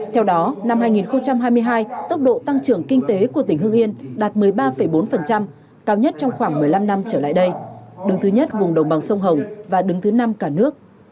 theo đó năm hai nghìn hai mươi hai tốc độ tăng trưởng kinh tế của tỉnh hương yên đạt một mươi ba bốn cao nhất trong khoảng một mươi năm năm trở lại đây đứng thứ nhất vùng đồng bằng sông hồng và đứng thứ năm cả nước